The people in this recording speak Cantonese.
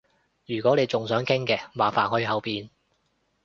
如果你仲想傾嘅，麻煩去後面